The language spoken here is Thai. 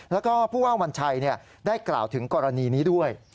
แล้วก็ผู้ว่าวัญชัยได้กล่าวถึงกรณีนี้ด้วย